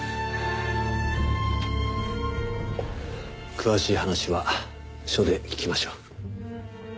詳しい話は署で聞きましょう。